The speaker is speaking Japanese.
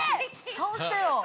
◆倒してよ。